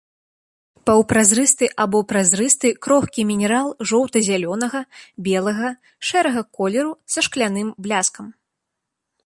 Паўпразрысты або празрысты крохкі мінерал жоўта-зялёнага, белага, шэрага колеру са шкляным бляскам.